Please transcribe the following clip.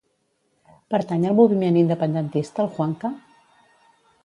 Pertany al moviment independentista el Juanca?